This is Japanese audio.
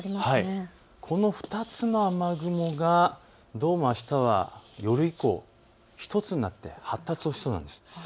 この２つの雨雲がどうも、あしたは夜以降、１つになって発達しそうなんです。